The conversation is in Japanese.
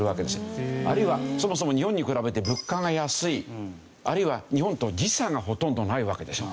あるいはそもそも日本に比べて物価が安いあるいは日本と時差がほとんどないわけでしょ。